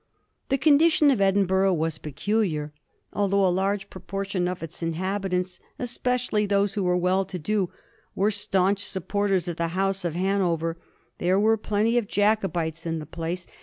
The condition of Edinburgh was peculiar : although a large proportion of its inhabitants, especially those who were well to do, were stanch supporters of the House of Hanover, there were plenty of Jacobites in the place, and 1745.